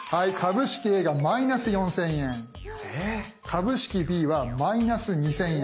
⁉株式Ｂは−２，０００円。